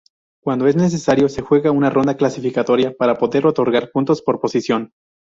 Cuando es necesario se juega una ronda clasificatoria para poder otorgar puntos por posición.